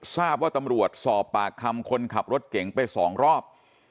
ทราบว่าตำรวจสอบปากคำคนขับรถเก่งไป๒รอบ